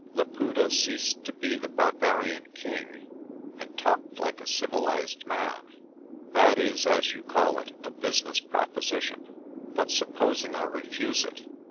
Laputa ceased to be the barbarian king, and talked like a civilised man. "That is, as you call it, a business proposition. But sup posing I refuse it?